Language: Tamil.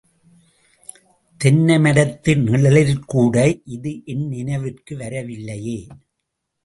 தென்னைமரத்து நிழலிற்கூட, இது என் நினைவிற்கு வரவில்லையே!